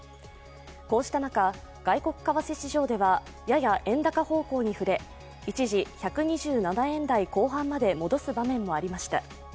こうした中、外国為替市場ではやや円高方向に振れ一時１２７円台後半まで戻す場面もありました。